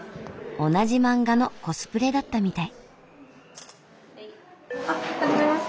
同じ漫画のコスプレだったみたい。